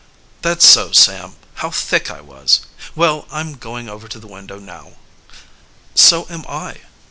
"That's so, Sam. How thick I was! Well, I'm going over to the window now." "So am I."